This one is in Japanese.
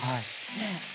ねえ。